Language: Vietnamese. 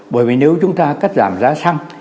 bởi vì nếu chúng ta cắt giảm giá xăng